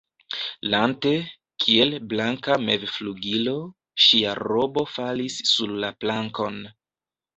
Lante, kiel blanka mevflugilo, ŝia robo falis sur la plankon.